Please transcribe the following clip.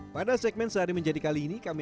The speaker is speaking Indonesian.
pada segmen sehari menjadi kali ini kami